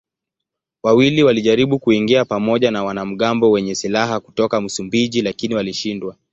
Wawili walijaribu kuingia pamoja na wanamgambo wenye silaha kutoka Msumbiji lakini walishindwa.